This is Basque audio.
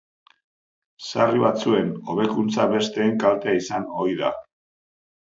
Sarri batzuen hobekuntza besteen kaltea izan ohi da.